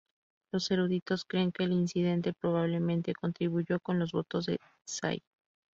Los eruditos creen que el incidente probablemente contribuyó con los votos de Tsai.